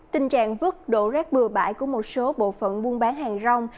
tình trạng vứt đổ rác bừa bãi của một số bộ phận buôn bán hàng rong